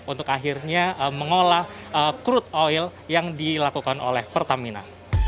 untuk akhirnya mengolah crude oil yang dilakukan oleh pertamina